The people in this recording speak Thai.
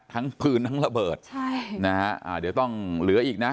ทั้งปืนทั้งระเบิดใช่นะฮะอ่าเดี๋ยวต้องเหลืออีกนะ